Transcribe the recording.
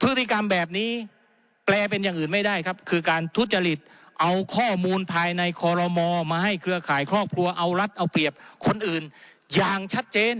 พฤติกรรมแบบนี้แปลเป็นอย่างอื่นไม่ได้ครับคือการทุจริตเอาข้อมูลภายในคอรมอมาให้เครือข่ายครอบครัวเอารัฐเอาเปรียบคนอื่นอย่างชัดเจน